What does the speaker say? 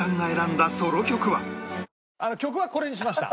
曲はこれにしました。